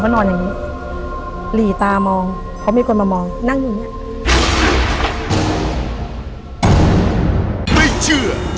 เพื่อได้อยู่เลี้ยงลูกมา๖เดือน